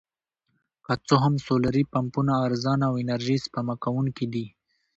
که څه هم سولري پمپونه ارزانه او انرژي سپما کوونکي دي.